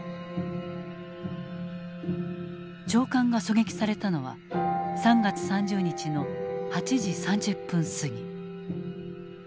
長官が狙撃されたのは３月３０日の８時３０分過ぎ。